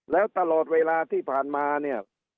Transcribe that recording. แล้วตลอดเวลาที่ผ่านมาเนี่ย